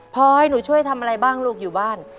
พอให้หนูช่วยทำอะไรบ้างลูกอยู่บ้าน